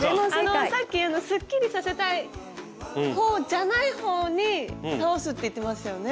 さっきすっきりさせたい方じゃない方に倒すって言ってましたよね。